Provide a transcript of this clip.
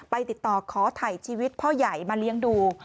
ติดต่อขอถ่ายชีวิตพ่อใหญ่มาเลี้ยงดู